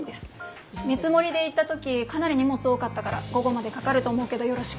見積もりで行った時かなり荷物多かったから午後までかかると思うけどよろしく。